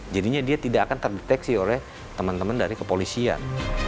jadinya dia tidak akan terdeteksi oleh teman teman dari kepolisian